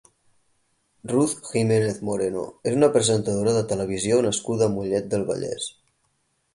Ruth Jiménez Moreno és una presentadora de televisió nascuda a Mollet del Vallès.